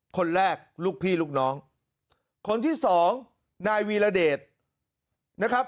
คนแรกลูกพี่ลูกน้องคนที่สองนายวีรเดชนะครับ